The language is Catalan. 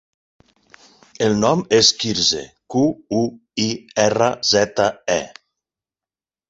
El nom és Quirze: cu, u, i, erra, zeta, e.